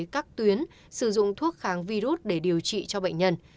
các tuyến sử dụng thuốc kháng virus để điều trị cho bệnh nhân